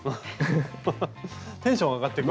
テンション上がっていく。